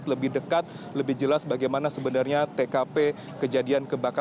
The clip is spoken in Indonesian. lebih dekat lebih jelas bagaimana sebenarnya tkp kejadian kebakaran